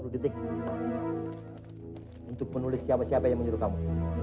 untuk menulis siapa siapa yang menyuruh kamu